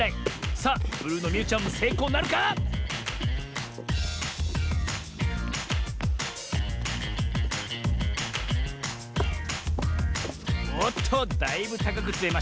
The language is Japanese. さあブルーのみゆちゃんもせいこうなるか⁉おっとだいぶたかくつめましたねえ。